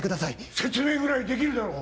説明ぐらいできるだろ！